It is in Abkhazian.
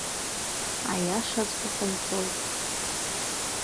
Аиашаҵәҟьа ҟаиҵоит.